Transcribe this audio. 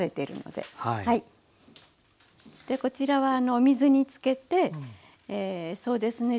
でこちらはお水につけてそうですね